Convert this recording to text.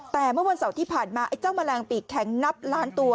แต่เมื่อวันเสาร์ที่ผ่านมาไอ้เจ้าแมลงปีกแข็งนับล้านตัว